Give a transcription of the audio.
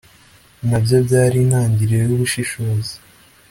na byo byari intangiriro y'ubushishozi